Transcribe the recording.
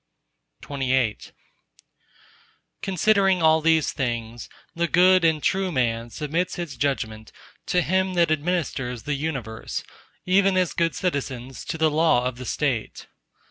_ XXIX Considering all these things, the good and true man submits his judgement to Him that administers the Universe, even as good citizens to the law of the State.